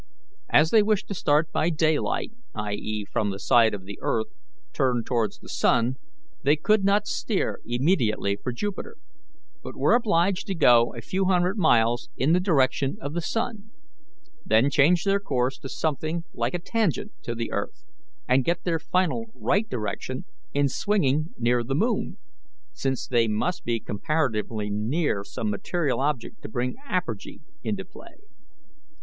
As they wished to start by daylight i. e., from the side of the earth turned towards the sun they could not steer immediately for Jupiter, but were obliged to go a few hundred miles in the direction of the sun, then change their course to something like a tangent to the earth, and get their final right direction in swinging near the moon, since they must be comparatively near some material object to bring apergy into play.